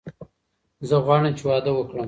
زه غواړم چې واده وکړم.